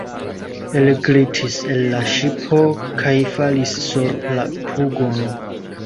Elglitis el la ŝipo kaj falis sur la pugon.